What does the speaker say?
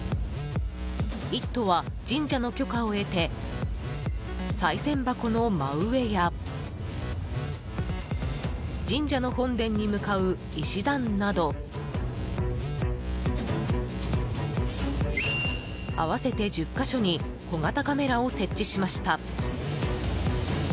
「イット！」は神社の許可を得てさい銭箱の真上や神社の本殿に向かう石段など合わせて１０か所に小型カメラを設置しました。